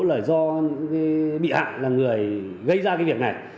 là do bị hạn là người gây ra cái việc này